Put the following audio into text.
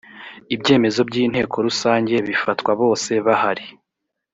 ibyemezo by inteko rusange bifatwa bose bahari